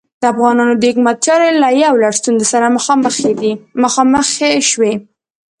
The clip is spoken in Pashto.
د افغانانو د حکومت چارې له یو لړ ستونزو سره مخامخې شوې.